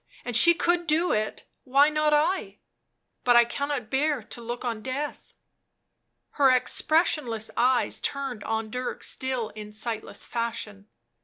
And she could do it — why not I? But I cannot bear to look on death." Her expressionless eyes turned on Dirk still in sightless fashion.